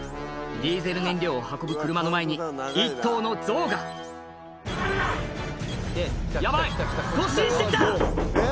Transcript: ディーゼル燃料を運ぶ車の前に１頭のゾウがってヤバい突進して来た！